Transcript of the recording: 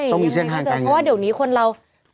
ต้องมีเส้นทางการเงินเพราะว่าเดี๋ยวนี้คนเรา